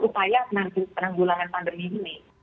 upaya nanti teranggulangan pandemi ini